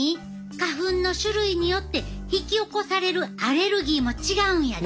花粉の種類によって引き起こされるアレルギーも違うんやで。